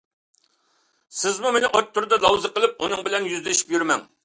سىزمۇ مېنى ئوتتۇرىدا لاۋزا قىلىپ ئۇنىڭ بىلەن يۈزلىشىپ يۈرمەڭ.